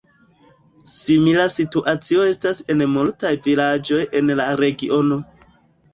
Simila situacio estas en multaj vilaĝoj en la regiono.